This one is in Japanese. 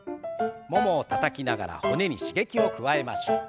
ももをたたきながら骨に刺激を加えましょう。